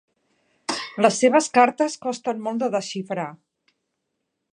Les seves cartes costen molt de desxifrar.